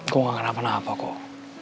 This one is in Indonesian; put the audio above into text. gue gak akan apa apa kok